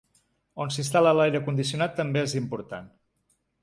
On s’instal·la l’aire condicionat també és important.